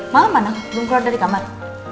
malam mana belum keluar dari kamar